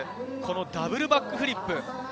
ダブルバックフリップ。